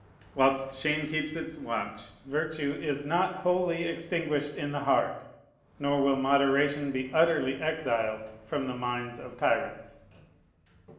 Whilst shame keeps its watch, virtue is not wholly extinguished in the heart, nor will moderation be utterly exiled from the minds of tyrants.